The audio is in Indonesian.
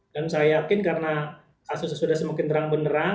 dan saya yakin karena kasusnya sudah semakin terang benerang